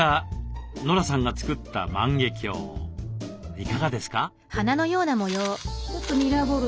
いかがですか？